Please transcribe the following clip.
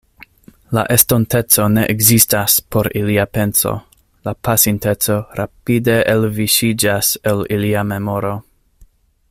La estonteco ne ekzistas por ilia penso, la pasinteco rapide elviŝiĝas el ilia memoro.